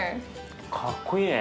かっこいいね。